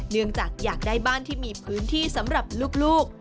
เนื่องจากอยากได้บ้านที่มีพื้นที่สำหรับลูก